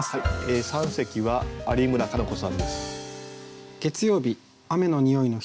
三席は有村鹿乃子さんです。